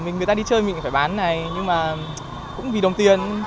người ta đi chơi mình cũng phải bán này nhưng mà cũng vì đồng tiền